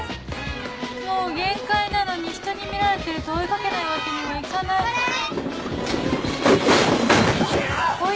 もう限界なのにひとに見られてると追い掛けないわけにはいかない